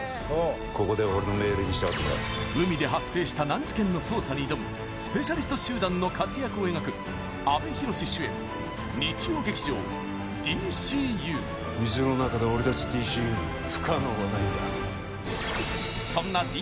これからここでは俺の命令に従ってもらう海で発生した難事件の捜査に挑むスペシャリスト集団の活躍を描く阿部寛主演日曜劇場「ＤＣＵ」水の中では俺たちＤＣＵに不可能はないんだ